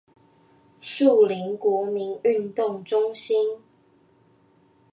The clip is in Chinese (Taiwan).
樹林國民運動中心